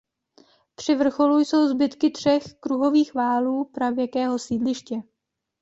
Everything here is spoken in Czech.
Při vrcholu jsou zbytky třech kruhových valů pravěkého sídliště.